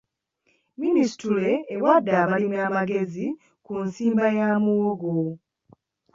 Minisitule ewadde abalimi amagezi ku nsimba ya muwogo.